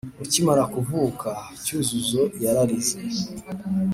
Ukimara kuvuka Cyuzuzo yararize